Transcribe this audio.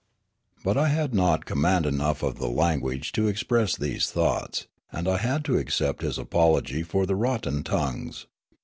But I had not command enough of the language to express these thoughts, and I had to accept his apology for the rotten tongues.